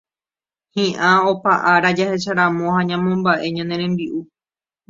Hi'ã opa ára jahecharamo ha ñamomba'e ñane rembi'u